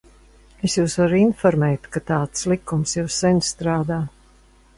Es jūs varu informēt, ka tāds likums jau sen strādā.